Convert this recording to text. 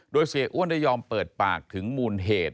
โดยเสียอ้วนได้ยอมเปิดปากถึงมูลเหตุ